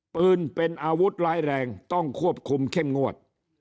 ปืนเป็นอาวุธร้ายแรงต้องควบคุมเข้มงวด